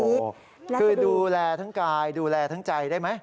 โอ้โหคือดูแลทั้งกายดูแลทั้งใจได้ไหม